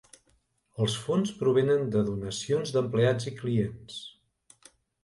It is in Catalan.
Els fons provenen de donacions d'empleats i clients.